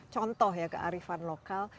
contoh ya kearifan lokal